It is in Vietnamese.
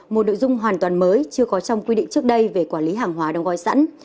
một nội dung hoàn toàn mới chưa có trong quy định trước đây về quản lý hàng hóa đóng gói sẵn